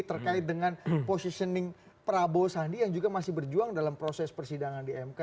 terkait dengan positioning prabowo sandi yang juga masih berjuang dalam proses persidangan di mk